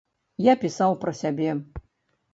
Я пісаў пра сябе.